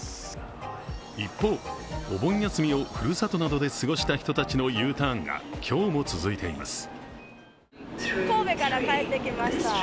一方、お盆休みをふるさとなどで過ごした人たちのＵターンが今日も続いています。